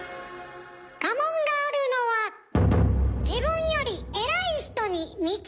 家紋があるのは自分より偉い人に道を譲るため。